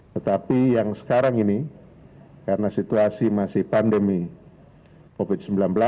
tetapi yang sekarang ini karena situasi masih pandemi covid sembilan belas